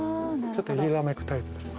ちょっと揺らめくタイプです。